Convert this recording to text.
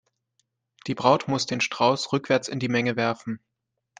Die Braut muss den Strauß rückwärts in die Menge werfen.